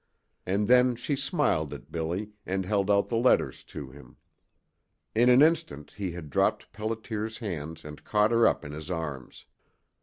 And then she smiled at Billy and held out the letters to him. In an instant he had dropped Pelliter's hands and caught her up in his arms.